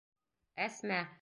Әсмә...